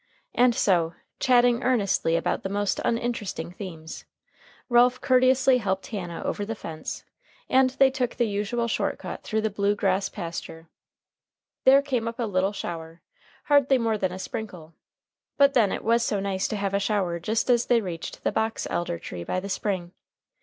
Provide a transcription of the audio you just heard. And so, chatting earnestly about the most uninteresting themes, Ralph courteously helped Hannah over the fence, and they took the usual short cut through the "blue grass pasture." There came up a little shower, hardly more than a sprinkle, but then It was so nice to have a shower just as they reached the box elder tree by the spring!